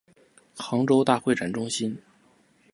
杭州大会展中心